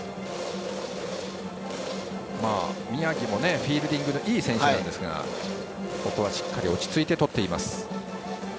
宮城もフィールディングがいい選手ですがここはしっかり落ち着いてとっています。